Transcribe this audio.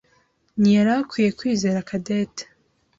ntiyari akwiye kwizera Cadette.